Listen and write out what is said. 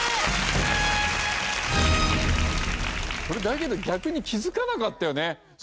これだけど逆に気づかなかったよね。